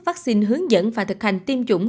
vaccine hướng dẫn và thực hành tiêm chủng